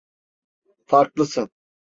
Farklısın.